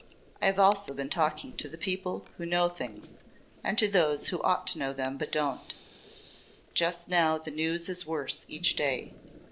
I have also been talking to the people who know things and to those who ought to know them but don't. Just now the news is worse each day.